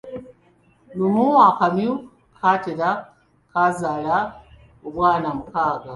Lumu akamyu ka Kateera kazaala obwana mukaaga.